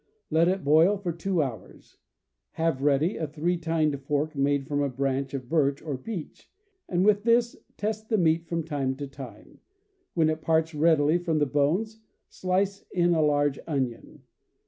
Let it boil for two hours. Have ready a three tined fork made from a branch of birch or beech, and with this test the meat from time to time; when it parts readily from the bones, slice in a large onion.